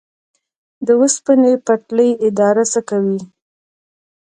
د اوسپنې پټلۍ اداره څه کوي؟